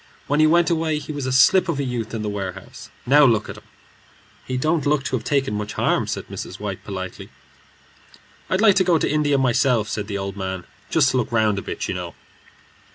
"When he went away he was a slip of a youth in the warehouse. Now look at him." "He don't look to have taken much harm," said Mrs. White, politely. "I'd like to go to India myself," said the old man, "just to look round a bit, you know."